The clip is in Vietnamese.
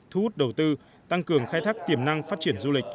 thu hút đầu tư tăng cường khai thác tiềm năng phát triển du lịch